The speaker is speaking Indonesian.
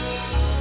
masih gak bisa